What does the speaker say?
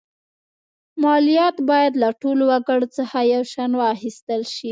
مالیات باید له ټولو وګړو څخه یو شان واخیستل شي.